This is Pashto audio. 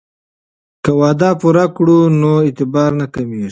که وعده پوره کړو نو اعتبار نه کمیږي.